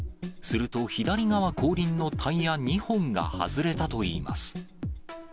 すると、左側後輪のタイヤ２本が外れたといいます。